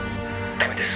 「ダメです。